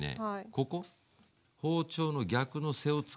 ここ包丁の逆の背を使って。